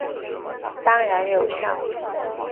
当然有效！